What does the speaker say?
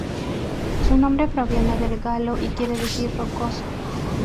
Su nombre proviene del galo y quiere decir "rocoso.